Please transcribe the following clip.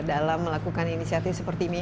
dalam melakukan inisiatif seperti ini